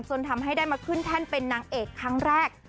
ทำให้ได้มาขึ้นแท่นเป็นนางเอกครั้งแรก